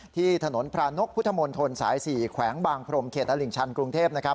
ที่ถนนพระนกพุทธมนตรสาย๔แขวงบางพรมเขตตลิ่งชันกรุงเทพ